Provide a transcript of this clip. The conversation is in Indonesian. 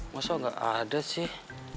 masa nggak ada sih